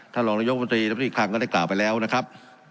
ท่านหลวงนโยคมันตรีแล้วพออีกครั้งก็ได้กล่าวไปแล้วนะครับ